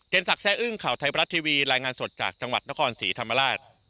สักแซ่อึ้งข่าวไทยบรัฐทีวีรายงานสดจากจังหวัดนครศรีธรรมราช